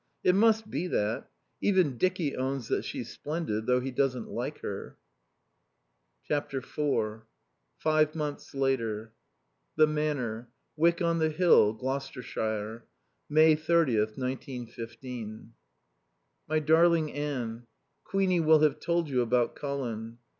It must be that. Even Dicky owns that she's splendid, though he doesn't like her.... iv Five months later. The Manor, Wyck on the Hill, Gloucestershire. May 30th, 1915. My darling Anne, Queenie will have told you about Colin.